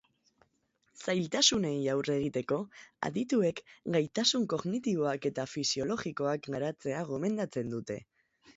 Zailtasunei aurre egiteko, adituek gaitasun kognitiboak eta fisiologikoak garatzea gomendatzen dute.